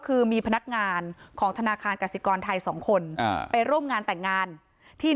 คือมีพนักงานของธนาคารกสิกรไทยสองคนอ่าไปร่วมงานแต่งงานที่